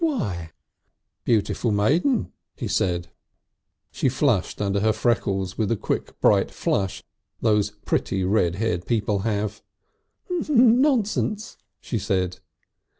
"Why?" "Beautiful maiden," he said. She flushed under her freckles with the quick bright flush those pretty red haired people have. "Nonsense!" she said.